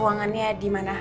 ruangannya di mana